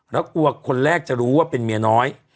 แล้วกลัวคนแรกจะรู้ว่าเป็นเมียน้อย